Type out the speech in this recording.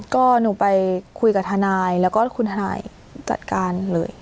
ก็หนูไปคุยกับทนายแล้วก็คุณทนายจัดการเลย